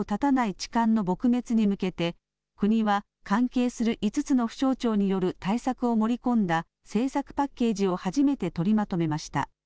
痴漢の撲滅に向けて国は関係する５つの府省庁による対策を盛り込んだ政策パッケージを初めて取りまとめました。